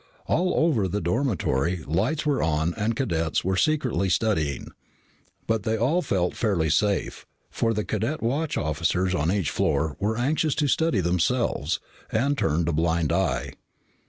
All over the dormitory, lights were on and cadets were studying secretly. But they all felt fairly safe, for the cadet watch officers on each floor were anxious to study themselves and turned a blind eye.